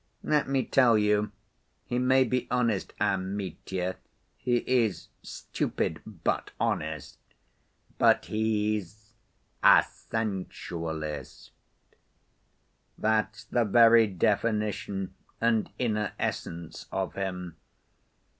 Let me tell you; he may be honest, our Mitya (he is stupid, but honest), but he's—a sensualist. That's the very definition and inner essence of him.